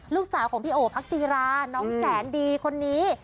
ลูกสาวของพี่โอพักจีราน้องแสนดีคนนี้